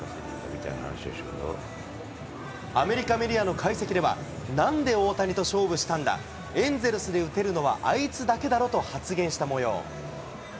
アメリカメディアの解析では、なんで大谷と勝負したんだ、エンゼルスで打てるのはあいつだけだろと話したもよう。